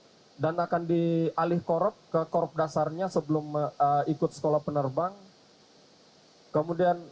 pada saat ini kita sudah mengalih korup ke korup dasarnya sebelum ikut sekolah penerbang